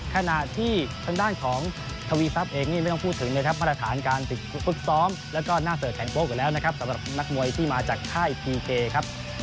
ขณะที่ทางด้านของทวีซับเองไม่ต้องพูดถึงเลยครับ